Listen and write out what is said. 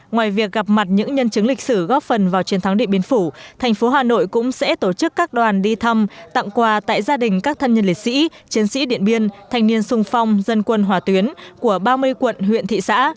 ngoài việc gặp mặt những nhân chứng lịch sử góp phần vào chiến thắng điện biên phủ thành phố hà nội cũng sẽ tổ chức các đoàn đi thăm tặng quà tại gia đình các thân nhân liệt sĩ chiến sĩ điện biên thanh niên sung phong dân quân hỏa tuyến của ba mươi quận huyện thị xã